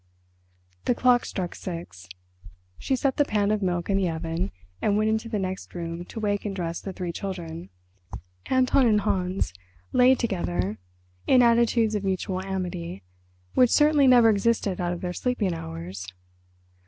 The clock struck six. She set the pan of milk in the oven, and went into the next room to wake and dress the three children. Anton and Hans lay together in attitudes of mutual amity which certainly never existed out of their sleeping hours.